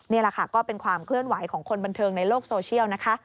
นี่แหละค่ะก็เป็นความเคลื่อนไหวของคนบันเทิงในโลกโซเชียลนะคะ